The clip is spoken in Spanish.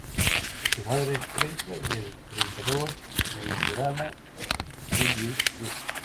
Su madre era hija del predicador luterano Julius Rupp.